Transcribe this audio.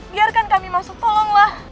biarkan kami masuk tolonglah